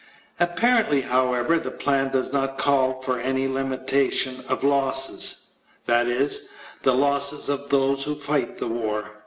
Apparently, however, the plan does not call for any limitation of losses that is, the losses of those who fight the war.